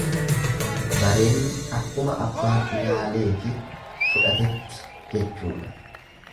Bareenni akkuma abbaan ilaaleefi fudhatetti jechuudha.